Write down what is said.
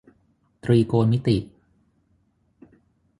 ตรีโกณมิติ